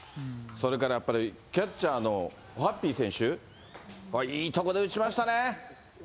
それからやっぱり、キャッチャーのオホッピー選手、いいとこで打ちましたね？